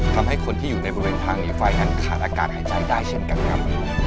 ทำให้คนที่อยู่ในบริเวณทางหนีไฟนั้นขาดอากาศหายใจได้เช่นกันครับ